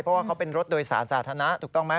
เพราะว่าเขาเป็นรถโดยสารสาธารณะถูกต้องไหม